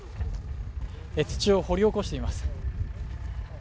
土を掘り起こしています。